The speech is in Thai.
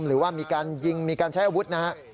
หรือว่ามีการยิงมีการใช้อาวุธนะฮะ